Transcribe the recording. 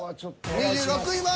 ２６位は。